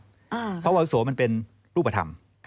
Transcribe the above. เพราะอาวุโสมันเป็นรูปธรรม